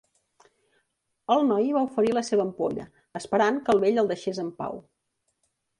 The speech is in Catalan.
El noi va oferir la seva ampolla, esperant que el vell el deixés en pau.